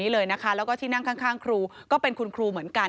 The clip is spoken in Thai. แล้วก็ที่นั่งข้างครูก็เป็นคุณครูเหมือนกัน